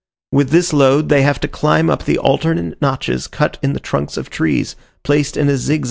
With this load they have to climb up the alternate notches cut in the trunks of trees, placed in a zigzag line up the shaft.